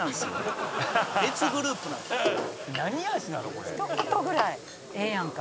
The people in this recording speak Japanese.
これ」「ひと言ぐらいええやんか」